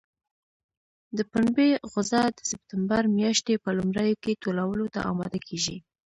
د پنبې غوزه د سپټمبر میاشتې په لومړیو کې ټولولو ته اماده کېږي.